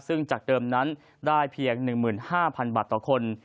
ซึ่งจากเดิมนั้นได้เพียง๑๕๐๐๐บาทต่อคน